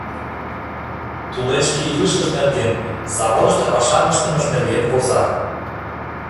Тулешке илышыж нерген, заводышто пашам ыштымыж нерген воза.